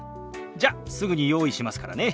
じゃすぐに用意しますからね。